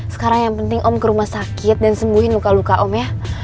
sekarang yang penting om ke rumah sakit dan sembuhin luka luka om ya